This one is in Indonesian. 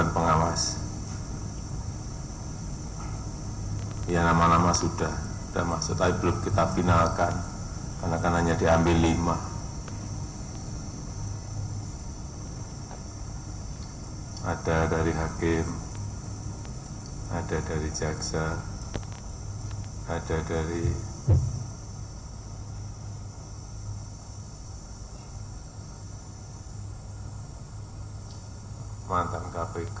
pertama ada dari hakim ada dari jaksa ada dari mantan kpk